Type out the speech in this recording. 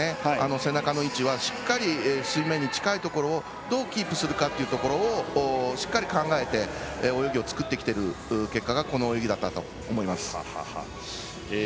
背中の位置は水面に近いところをどうキープするかをしっかり考えて泳ぎを作ってきてる結果がこの泳ぎだったと思います。